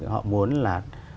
họ muốn là